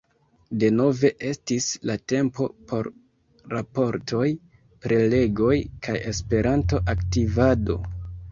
Denove estis la tempo por raportoj, prelegoj kaj Esperanto-aktivado.